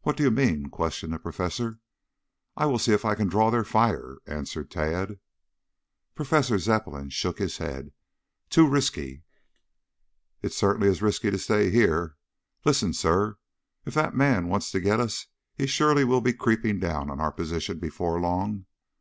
"What do you mean?" questioned the professor. "I will see if I can draw their fire," answered Tad. Professor Zepplin shook his head. "Too risky!" "It certainly is risky to stay here. Listen, sir. If that man wants to get us he surely will be creeping down on our position before long.